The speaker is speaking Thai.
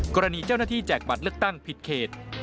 กรณีเจ้าหน้าที่แจกบัตรเลือกตั้งผิดเขต